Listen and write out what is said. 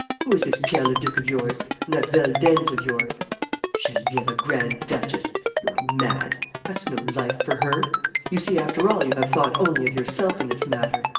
Who is this Pierre Leduc of yours? And that Veldenz of yours? Geneviève a grand duchess! You are mad. That's no life for her! ... You see, after all, you have thought only of yourself in this matter.